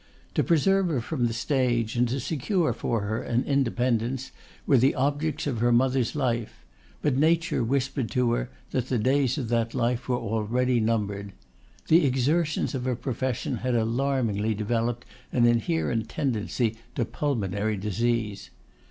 To preserve her from the stage, and to secure for her an independence, were the objects of her mother's life; but nature whispered to her, that the days of that life were already numbered. The exertions of her profession had alarmingly developed an inherent tendency to pulmonary disease.